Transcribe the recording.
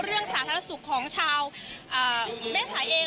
เรื่องศาลธรรยาสุขของชาวอ่าไม่สายเอง